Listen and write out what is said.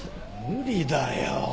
無理だよ。